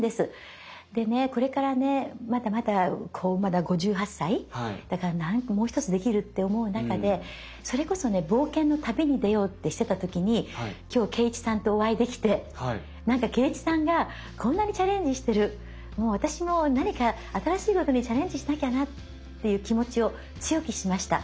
でねこれからねまだまだまだ５８歳だからもう一つできるって思う中でそれこそね冒険の旅に出ようってしてた時に今日敬一さんとお会いできて何か敬一さんがこんなにチャレンジしてる私も何か新しいことにチャレンジしなきゃなっていう気持ちを強く意識しました。